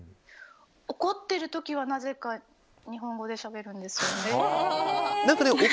怒ってる時はなぜか日本語でしゃべるんですよね。